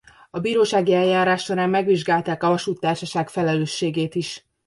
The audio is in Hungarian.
A bírósági eljárás során megvizsgálták a vasúttársaság felelősségét is.